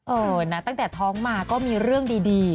เออนะตั้งแต่ท้องมาก็มีเรื่องดี